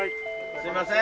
すみません。